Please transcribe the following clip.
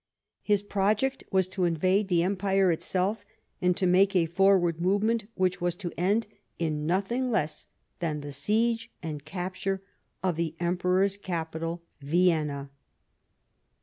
His project was to invade the empire itself, and to make a forward movement which was to end in nothing less than the siege and capture of the Emperor's capital, Vienna.